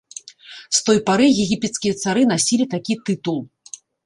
З той пары егіпецкія цары насілі такі тытул.